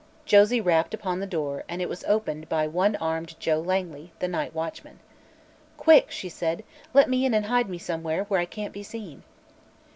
Josie rapped upon the door and it was opened by one armed Joe Langley, the night watchman. "Quick!" she said, "let me in and hide me somewhere, where I can't be seen."